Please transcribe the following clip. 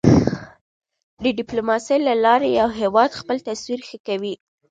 د ډیپلوماسی له لارې یو هېواد خپل تصویر ښه کوی.